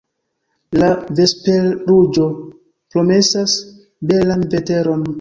La vesperruĝo promesas belan veteron.